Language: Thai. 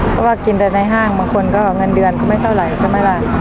เพราะว่ากินแต่ในห้างบางคนก็เงินเดือนก็ไม่เท่าไหร่ใช่ไหมล่ะ